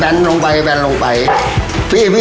แบนแล้วครับแบนแล้ว